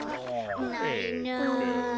ないな。